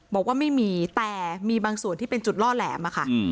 บอกว่าไม่มีแต่มีบางส่วนที่เป็นจุดล่อแหลมค่ะ